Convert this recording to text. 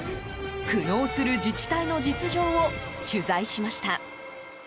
苦悩する自治体の実情を取材しました。